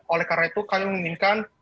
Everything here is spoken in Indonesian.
oleh karena itu kami menginginkan